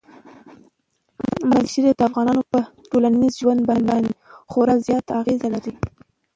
مزارشریف د افغانانو په ټولنیز ژوند باندې خورا زیات اغېز لري.